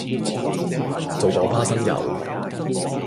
做個花生友